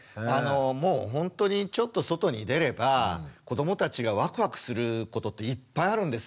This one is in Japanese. もうほんとにちょっと外に出れば子どもたちがワクワクすることっていっぱいあるんですよ。